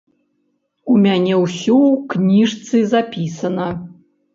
У мяне ўсё ў кніжцы запісана.